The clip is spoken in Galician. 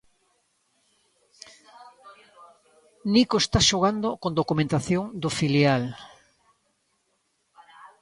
Nico está xogando con documentación do filial.